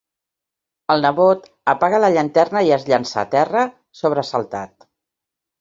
El nebot apaga la llanterna i es llança a terra, sobresaltat.